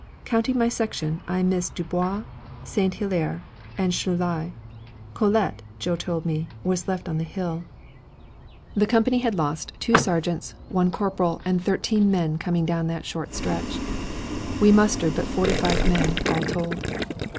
Counting my section, I missed Dubois, St. Hilaire, and Schueli. Collette, Joe told me, was left on the hill. The company had lost two sergeants, one corporal, and thirteen men coming down that short stretch! We mustered but forty five men, all told.